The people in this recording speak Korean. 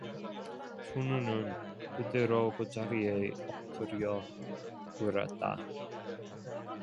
춘우는 그대로 그 자리에 엎드리어 울었다.